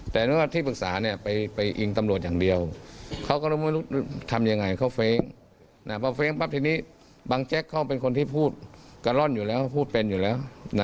เขาเป็นคนที่พูดกะร่อนอยู่แล้วพูดเป็นอยู่แล้ว